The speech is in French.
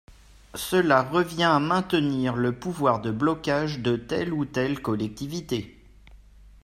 Cela revient à maintenir le pouvoir de blocage de telle ou telle collectivité.